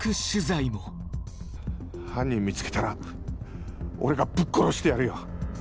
犯人見つけたら俺がぶっ殺してやるよ。